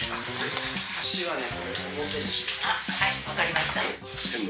箸はね、分かりました。